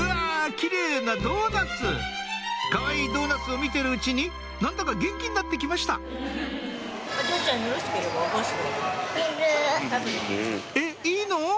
キレイなドーナツかわいいドーナツを見てるうちに何だか元気になって来ましたえっいいの？